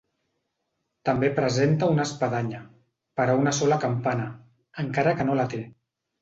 També presenta una espadanya, per a una sola campana, encara que no la té.